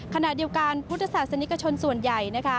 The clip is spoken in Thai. ขณะเดียวกันพุทธศาสนิกชนส่วนใหญ่นะคะ